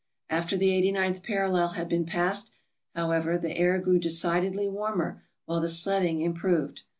After the 89th parallel had been passed, however, the air grew decidedly warmer, while the sledding improved.